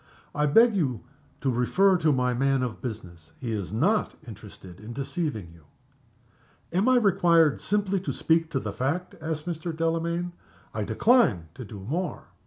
"I beg to refer you to my man of business. He is not interested in deceiving you." "Am I required simply to speak to the fact?" asked Mr. Delamayn. "I decline to do more."